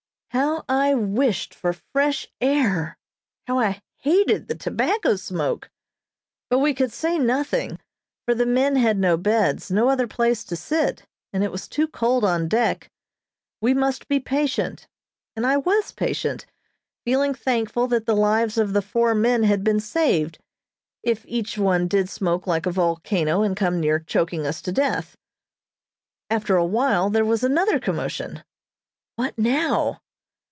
How I wished for fresh air! How I hated the tobacco smoke! But we could say nothing, for the men had no beds, no other place to sit, and it was too cold on deck. We must be patient, and I was patient, feeling thankful that the lives of the four men had been saved, if each one did smoke like a volcano and come near choking us to death. After a while there was another commotion. What now?